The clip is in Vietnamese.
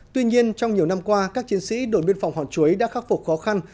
tuy nhiên trong nhiều năm qua các chiến sĩ đồn biên phòng hòn chuối đã khắc phục khó khăn